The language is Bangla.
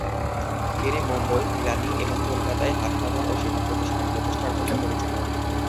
তিনি মুম্বই, পিলানী এবং কলকাতায় হাসপাতাল ও শিক্ষাপ্রতিষ্ঠান প্রতিষ্ঠার জন্য পরিচিত।